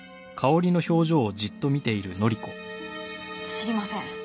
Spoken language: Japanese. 知りません。